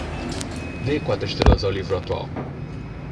Dê quatro estrelas ao livro atual